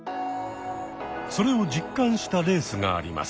それを実感したレースがあります。